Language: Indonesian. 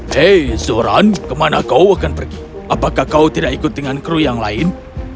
hei zoran kemana kau akan pergi apakah kau tidak ikut dengan kru yang lain